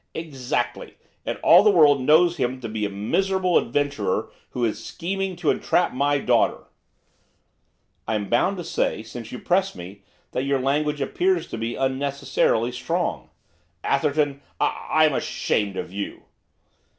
'Exactly, and all the world knows him to be a miserable adventurer who is scheming to entrap my daughter.' 'I am bound to say, since you press me, that your language appears to me to be unnecessarily strong.' 'Atherton, I I'm ashamed of you!